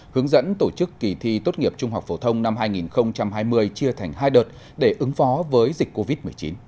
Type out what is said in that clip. hướng dẫn tổ chức kỳ thi tốt nghiệp trung học phổ thông năm hai nghìn hai mươi chia thành hai đợt để ứng phó với dịch covid một mươi chín